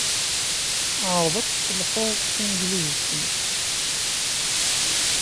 Ɛreḍ ad tesselhuḍ tanglizit-nnek.